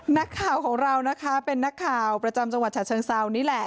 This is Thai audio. นักข่าวของเรานะคะเป็นนักข่าวประจำจังหวัดฉะเชิงเซานี่แหละ